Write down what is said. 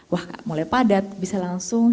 wah mulai padat bisa langsung